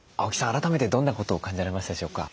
改めてどんなことを感じられましたでしょうか？